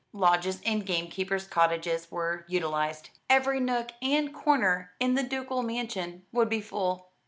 Lodges and gamekeepers' cottages were utilised. Every nook and corner in the ducal mansion would be full.